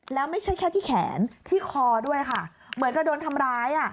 แล้วไม่ใช่แค่ที่แขนที่คอด้วยค่ะเหมือนกับโดนทำร้าย